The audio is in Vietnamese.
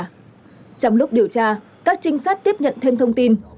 trong lúc điều tra các trinh sát tiếp nhận thêm thông tin